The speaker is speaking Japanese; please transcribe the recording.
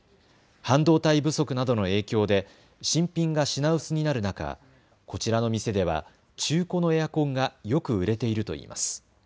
半導体不足などの影響で新品が品薄になる中、こちらの店では中古のエアコンがよく売れているといいます。